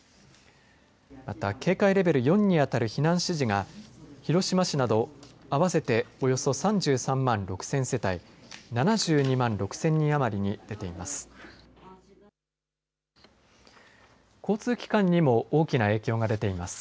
また、警戒レベル４にあたる避難指示が広島市など合わせておよそ３３万６０００世帯７２万６０００人余りに出ています。